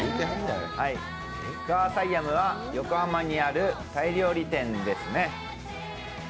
クァーサイヤムは横浜にあるタイ料理店ですね。